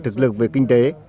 thực lực về kinh tế